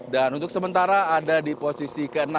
untuk sementara ada di posisi ke enam